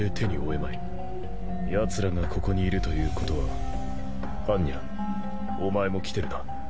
やつらがここにいるということは般若お前も来てるな。